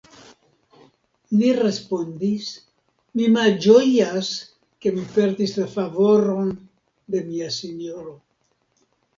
li respondis, mi malĝojas, ke mi perdis la favoron de mia sinjoro.